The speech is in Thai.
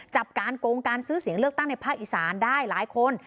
จับการโกงการซื้อเสียงเลือกตั้งในภาคอีสานได้หลายคน